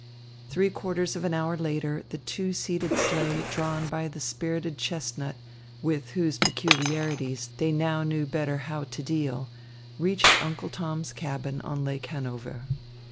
Three quarters of an hour later the two seated sleigh drawn by the spirited chestnut, with whose peculiarities they now knew better how to deal, reached Uncle Tom's Cabin on Lake Hanover.